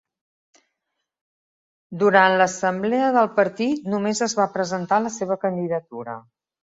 Durant l'assemblea del partit només es va presentar la seva candidatura.